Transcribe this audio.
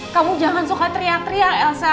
kamu jangan suka teriak teriak elsa